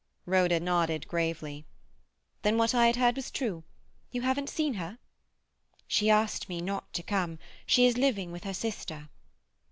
Rhoda nodded gravely. "Then what I had heard was true. You haven't seen her?" "She asked me not to come. She is living with her sister."